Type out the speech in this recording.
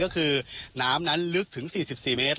ก็คือน้ำนั้นลึกถึง๔๔เมตร